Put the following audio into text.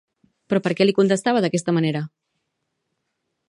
Però perquè li contestava d'aquesta manera?